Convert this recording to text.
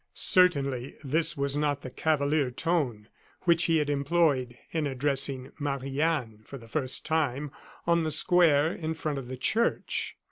Certainly this was not the cavalier tone which he had employed in addressing Marie Anne, for the first time, on the square in front of the church.